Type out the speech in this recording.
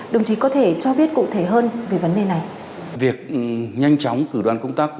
đồng chí có thể cho biết cụ thể hơn về vấn đề này